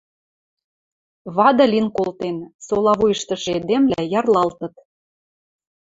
Вады лин колтен: сола вуйыштышы эдемвлӓ ярлалтыт